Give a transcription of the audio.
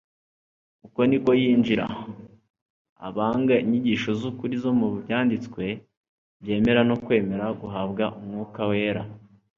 Uko niko yinjira. Abanga inyigisho z'ukuri zo mu Byanditswe byera no kwemera guhabwa Umwuka wera,